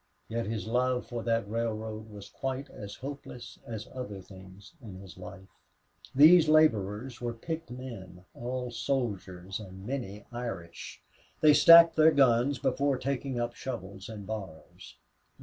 Yet his love for that railroad was quite as hopeless as other things in his life. These laborers were picked men, all soldiers, and many Irish; they stacked their guns before taking up shovels and bars.